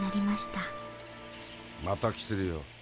また来てるよ。